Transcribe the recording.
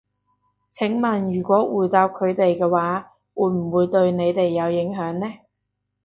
請問如果回答佢哋嘅話，會唔會對你哋有影響呢？